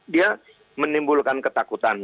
dia menimbulkan ketakutan